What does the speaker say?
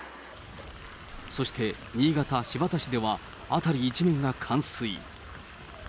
そして、新潟・新発田市では、辺り一面が冠水。